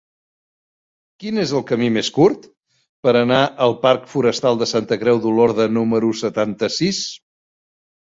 Quin és el camí més curt per anar al parc Forestal de Santa Creu d'Olorda número setanta-sis?